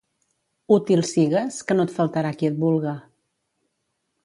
Útil sigues, que no et faltarà qui et vulga.